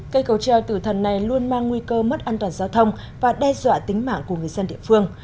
cây cầu treo tử thần này luôn mang nguy cơ mất an toàn giao thông và đe dọa tính mạng của người dân địa phương